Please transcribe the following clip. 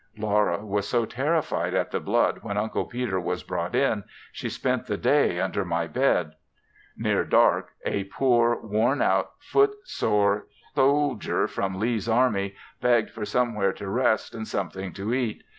Laura was so terrified at the blood when Uncle Peter was brought in, she spent the day under my bed. Near dark a poor worn out foot sore soldier from Lee's army begged for somewhere to rest, and something to eat.